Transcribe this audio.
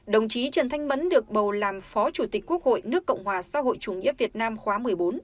đồng chí trần thanh mẫn được bầu làm phó chủ tịch quốc hội nước cộng hòa xã hội chủ nghĩa việt nam khóa một mươi bốn